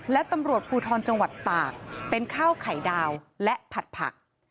และตำรวจภูทรจังหวัดตากเป็นข้าวไข่ดาวและผัดผัก